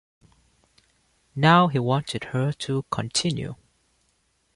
Now he wanted her to continue.